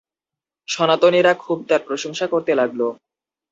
সনাতনীরা খুব তার প্রশংসা করতে লাগল।